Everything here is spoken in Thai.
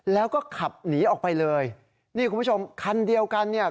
แล้วก็ขับหนีออกไปเลยนี่คุณผู้ชมคันเดียวกันเนี่ย